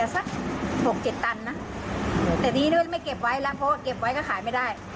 แล้วแค่นั้นน้อยนะที่เห็นนั้นธงิดมากระทิงหลายที่